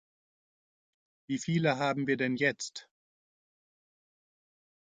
Wie viele haben wir denn jetzt?